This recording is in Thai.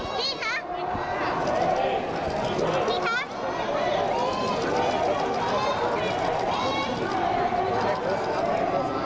พี่หลบหลบสาวนิดนึงค่ะพี่ค้าขอสาวนิดนึงขอบราคุณค่ะ